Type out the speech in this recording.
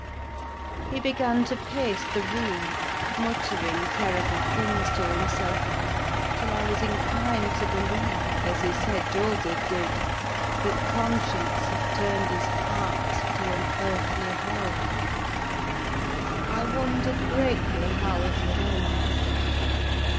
He began to pace the room, muttering terrible things to himself, till I was inclined to believe, as he said Joseph did, that conscience had turned his heart to an earthly hell. I wondered greatly how it would end.